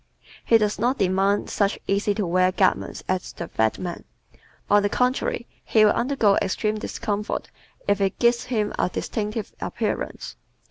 He does not demand such easy to wear garments as the fat man. On the contrary, he will undergo extreme discomfort if it gives him a distinctive appearance.